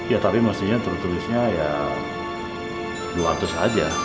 ya tapi mestinya tertulisnya ya dua ratus aja